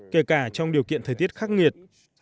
kể cả trong điều kiện thời tiết khắc nghiệt